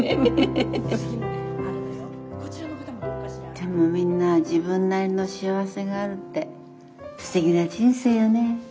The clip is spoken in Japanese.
でもみんな自分なりの幸せがあるってすてきな人生よね。